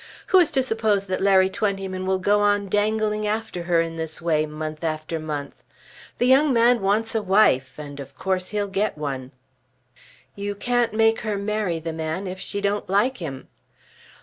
Who is to suppose that Larry Twentyman will go on dangling after her in this way, month after month? The young man wants a wife, and of course he'll get one." "You can't make her marry the man if she don't like him."